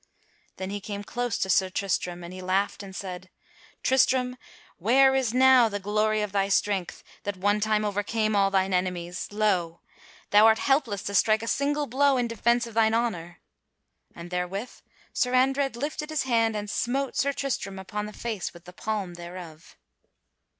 Then he came close to Sir Tristram, and he laughed and said: "Tristram where is now the glory of thy strength that one time overcame all thine enemies? Lo! thou art helpless to strike a single blow in defence of thine honor." And therewith Sir Andred lifted his hand and smote Sir Tristram upon the face with the palm thereof.